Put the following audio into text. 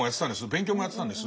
勉強もやってたんです。